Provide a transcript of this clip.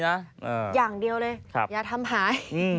อย่างเดียวเลยอย่าทำหาย